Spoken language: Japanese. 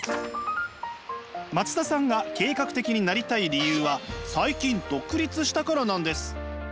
松田さんが計画的になりたい理由は最近独立したからなんです。